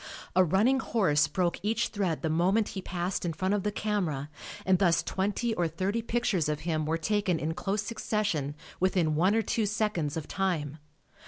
A running horse broke each thread the moment he passed in front of the camera and thus twenty or thirty pictures of him were taken in close succession within one or two seconds of time.